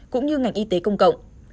cũng như ngành y tế công cộng